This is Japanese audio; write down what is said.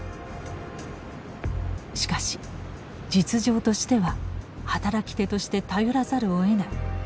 しかし「実情としては働き手として頼らざるをえない」。